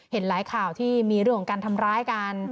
เห็นหลายข่าวที่มีเรื่องของการทำร้ายกัน